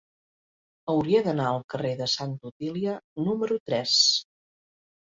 Hauria d'anar al carrer de Santa Otília número tres.